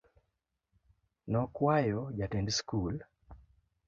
Nokwayo jatend skul.